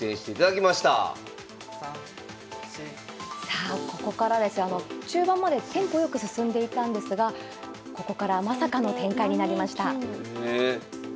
さあここからですが中盤までテンポ良く進んでいたんですがここからまさかの展開になりました。